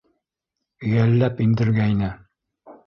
Йәлләп индергәйне...